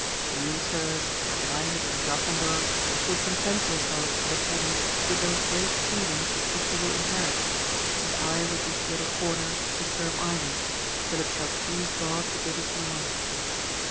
You, sirs, Agrayes and Grasandor, will content yourselves for the present with those great kingdoms which you wiU inherit ; and I with this little comer the Firm Island, till it shall please God to give us more.